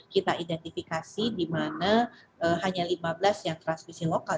kita identifikasi di mana hanya lima belas yang transmisi lokal